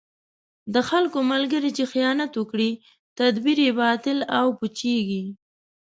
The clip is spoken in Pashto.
د چا ملګری چې خیانت وکړي، تدبیر یې باطل او پوچېـږي.